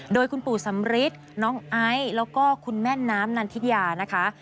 โดยคุณปู่สำริทน้องไอซ์แล้วก็คุณแม่น้ำนันทิยานะคะ